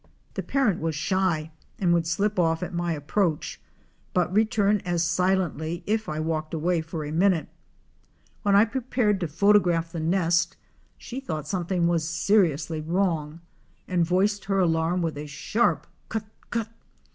The parent was shy and would slip off at my approach, but return as silently if I walked away for a minute. When I prepared to photo JUNGLE LIFE AT AREMU. 333 graph the nest she thought something was seriously wrong and voiced her alarm with a sharp cw! cul!